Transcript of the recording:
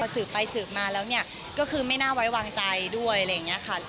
สืบไปสืบมาแล้วเนี่ยก็คือไม่น่าไว้วางใจด้วยอะไรอย่างนี้ค่ะ